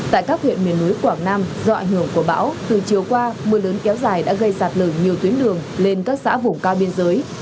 tại các huyện miền núi quảng nam do ảnh hưởng của bão từ chiều qua mưa lớn kéo dài đã gây sạt lở nhiều tuyến đường lên các xã vùng cao biên giới